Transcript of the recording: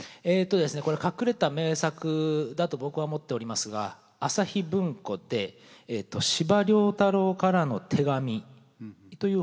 これは隠れた名作だと僕は思っておりますが朝日文庫で「司馬太郎からの手紙」という本があります。